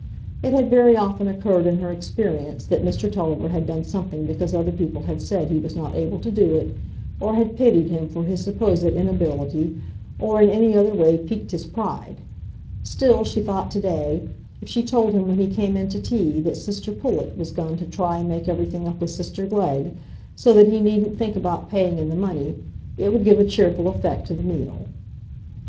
It had very often occurred in her experience that Mr Tulliver had done something because other people had said he was not able to do it, or had pitied him for his supposed inability, or in any other way piqued his pride; still, she thought to day, if she told him when he came in to tea that sister Pullet was gone to try and make everything up with sister Glegg, so that he needn't think about paying in the money, it would give a cheerful effect to the meal.